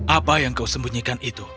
apa yang kau sembunyikan itu